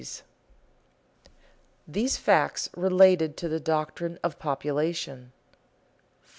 [Sidenote: These facts related to the doctrine of population] 4.